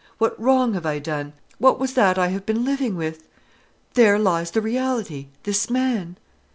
What wrong have I done? What was that I have been living with? There lies the reality, this man."